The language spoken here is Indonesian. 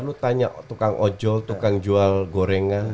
lu tanya tukang ojol tukang jual gorengan